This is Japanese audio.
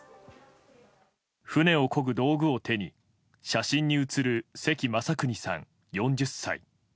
船をこぐ道具を手に写真に写る関雅有さん、４０歳。